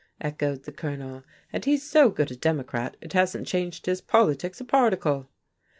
echoed the Colonel, "and he's so good a Democrat it hasn't changed his politics a particle."